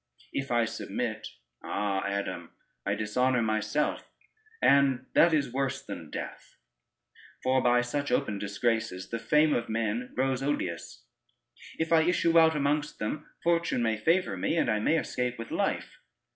If I submit (ah Adam) I dishonor myself, and that is worse than death, for by such open disgraces, the fame of men grows odious. If I issue out amongst them, fortune may favor me, and I may escape with life.